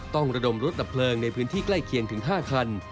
ระดมรถดับเพลิงในพื้นที่ใกล้เคียงถึง๕คัน